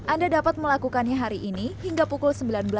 anda dapat melakukannya hari ini hingga pukul sembilan belas